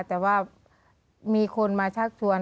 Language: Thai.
แต่ว่ามีคนมาชักชวน